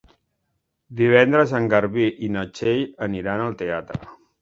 Divendres en Garbí i na Txell aniran al teatre.